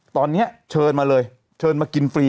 ตอนนี้เชิญมาเลยเชิญมากินฟรี